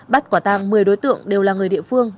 bắt quả tang một mươi đối tượng đều là người địa phương